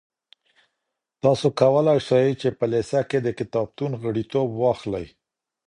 تاسو کولای سئ چي په لېسه کي د کتابتون غړیتوب واخلئ.